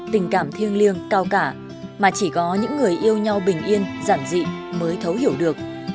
tình cảm thiêng liêng cao cả mà chỉ có những người yêu nhau bình yên giản dị mới thấu hiểu được